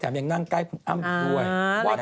แถมยังนั่งใกล้อ้ำด้วย